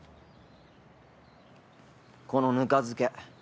このぬか漬け。